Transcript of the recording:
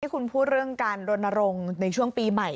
คุณพูดเรื่องการรณรงค์ในช่วงปีใหม่